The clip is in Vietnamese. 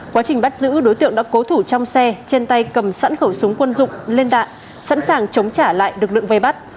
quá trình bắt giữ đối tượng đã cố thủ trong xe trên tay cầm sẵn khẩu súng quân dụng lên đạn sẵn sàng chống trả lại lực lượng vây bắt